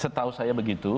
setahu saya begitu